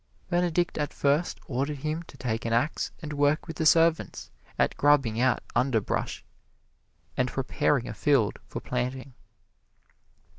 Benedict at first ordered him to take an ax and work with the servants at grubbing out underbrush and preparing a field for planting.